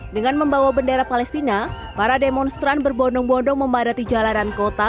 dengan membawa bendera palestina para demonstran berbondong bondong memadati jalanan kota